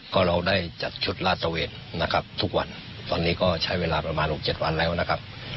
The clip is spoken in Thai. ก็เราได้จัดชุดลาดตะเวทนะครับทุกวันตอนนี้ก็ใช้เวลาประมาณ๖๗วันแล้วนะครับ